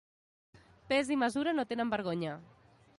Pes i mesura no tenen vergonya.